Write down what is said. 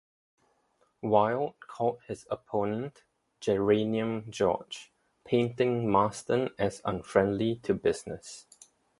Wilde called his opponent "Geranium George", painting Marston as unfriendly to business.